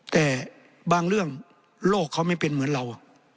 แต่บางเรื่องโลกเขาไม่เป็นเหมือนเรา